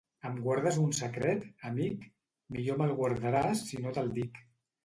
Em guardes un secret, amic?; millor me'l guardaràs si no te'l dic.